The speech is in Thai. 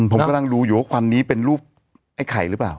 ผมกำลังดูอยู่ว่าควันนี้เป็นรูปไอ้ไข่หรือเปล่า